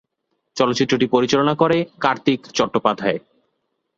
চলচ্চিত্রটি পরিচালনা করে কার্তিক চট্টোপাধ্যায়।